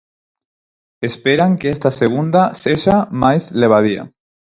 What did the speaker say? Esperan que esta segunda sexa máis levadía.